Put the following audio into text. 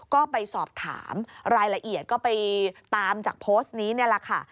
ก็ไปสอบถามรายละเอียดก็ไปตามจากโพสต์นี้นี่แหละค่ะ